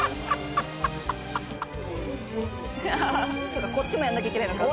そうかこっちもやらなきゃいけないのか。